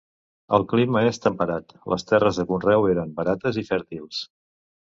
El clima era temperat; les terres de conreu eren barates i fèrtils.